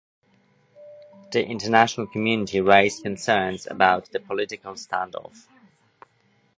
The international community raised concerns about the political standoff.